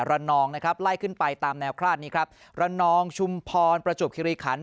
นองนะครับไล่ขึ้นไปตามแนวคลาดนี้ครับระนองชุมพรประจวบคิริขัน